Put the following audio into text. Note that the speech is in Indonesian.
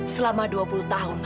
selama dua puluh tahun